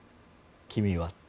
君はって。